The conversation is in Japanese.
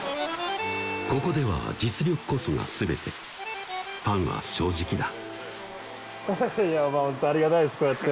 ここでは実力こそが全てファンは正直だ